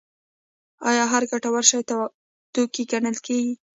آیا هر ګټور شی توکی ګڼل کیږي؟